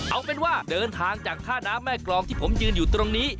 เอาเป็นว่าเดินทางจากท่าน้ำแม่กรองที่ผมยืนอยู่ตรงนี้